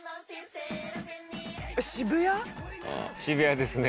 渋谷ですね。